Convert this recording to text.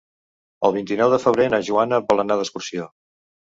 El vint-i-nou de febrer na Joana vol anar d'excursió.